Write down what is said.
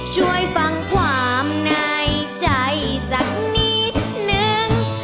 ช่วยฟังความในใจสักนิดนึง